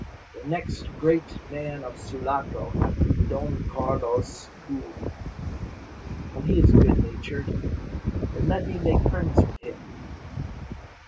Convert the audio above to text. The next great man of Sulaco after Don Carlos Gould. But he is good natured, and let me make friends with him."